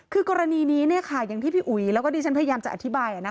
คือกรณีนี้อย่างที่พี่อุ๋ยแล้วก็ดิฉันพยายามจะอธิบาย